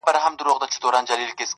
پخوا د كلي په گودر كي جـادو.